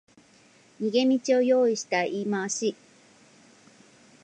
逃げ道を用意した言い回し